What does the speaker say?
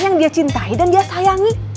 yang dia cintai dan dia sayangi